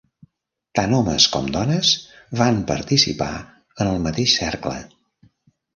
Tant homes com dones van participar en el mateix cercle.